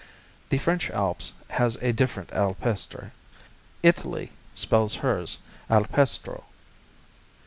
The French Alps has a different Alpestre; Italy spells hers Alpestro.